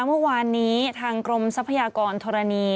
เมื่อวานนี้ทางกรมทรัพยากรธรณี